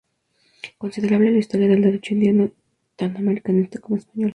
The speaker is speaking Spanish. Consideraba la historia del derecho indiano tan americanista como española.